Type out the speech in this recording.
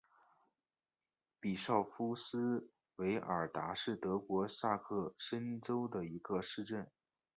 比绍夫斯韦尔达是德国萨克森州的一个市镇。